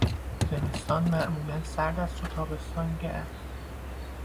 زمستان معمولا سرد است و تابستان گرم.